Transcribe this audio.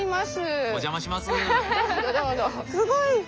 すごい！